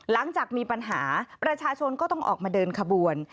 หลังจากมีปัญหาประชาชนก็ต้องออกมาเดินขบวน